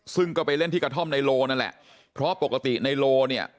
ซึ่งก็ไปเล่นที่กระท่อมในโลนั่นแหละเพราะปกติในโลเนี่ย